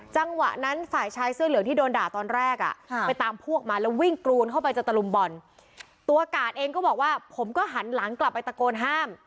จังหวะนั้นฝ่ายชายเสื้อเหลืองที่โดนด่าตอนแรกอ่ะไปตามพวกมาแล้ววิ่งกรูนเข้าไปจะตะลุมบ่อนตัวกาดเองก็บอกว่าผมก็หันหลังกลับไปตะโกนห้าม